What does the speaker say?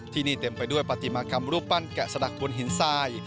ที่นี่เต็มไปด้วยปฏิมากรรมรูปปั้นแกะสลักบนหินทราย